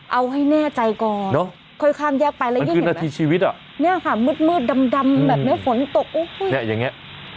เอาให้แน่ใจก่อนค่อยข้ามแยกไปแล้วยิ่งเห็นไหมนี่ค่ะมืดดำแบบนี้ฝนตกโอ้โฮนี่อย่างนี้